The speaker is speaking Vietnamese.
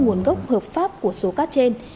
nguồn gốc hợp pháp của số cát trên